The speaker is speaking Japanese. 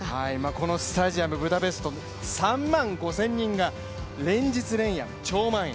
このスタジアム、ブダペスト、３万５０００人が連日連夜、超満員。